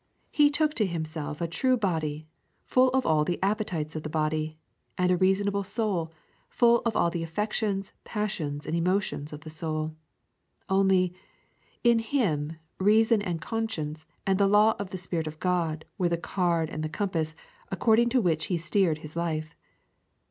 He took to Himself a true body, full of all the appetites of the body, and a reasonable soul, full of all the affections, passions, and emotions of the soul. Only, in Him reason and conscience and the law and the Spirit of God were the card and the compass according to which He steered His life.